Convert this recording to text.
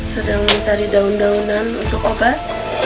sedang mencari daun daunan untuk obat